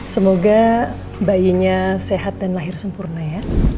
semoga bayinya sehat dan lahir sempurna ya